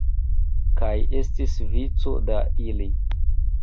Kaj estis vico da ili.